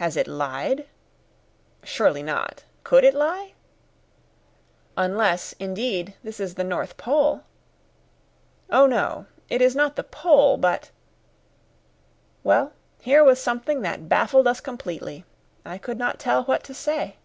"Has it lied?" "Surely not. Could it lie?" "Unless, indeed, this is the North Pole!" "Oh, no, it is not the Pole; but " Well, here was something that baffled us completely. I could not tell what to say.